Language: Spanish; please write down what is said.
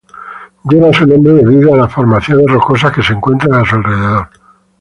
Lleva su nombre debido a las formaciones rocosas que se encuentran a su alrededor.